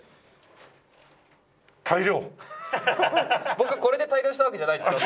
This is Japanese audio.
僕はこれで退寮したわけじゃないですよ。